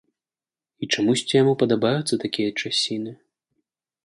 І чамусьці яму падабаюцца такія часіны.